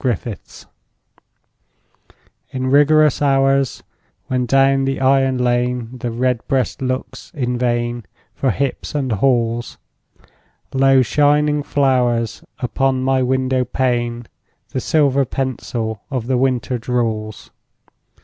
XVII—WINTER In rigorous hours, when down the iron lane The redbreast looks in vain For hips and haws, Lo, shining flowers upon my window pane The silver pencil of the winter draws.